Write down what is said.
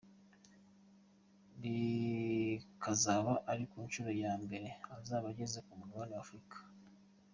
Bikazaba ari no ku nshuro ya mbere azaba ageze ku mugabane wa Afrika.